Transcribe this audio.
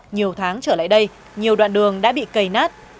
nhiều tháng trở lại đây nhiều đoạn đường đã bị cầy nát